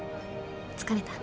疲れた？